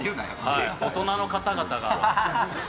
大人の方々が。